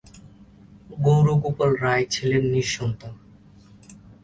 গৌর গোপাল রায় ছিলেন নিঃসন্তান।